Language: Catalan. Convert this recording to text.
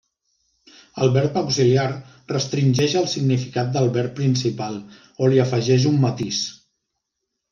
El verb auxiliar restringeix el significat del verb principal o li afegeix un matís.